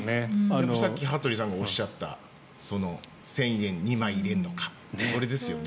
さっき羽鳥さんがおっしゃった１０００円２枚入れるのかっていう、そこですよね。